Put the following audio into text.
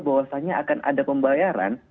bahwasannya akan ada pembayaran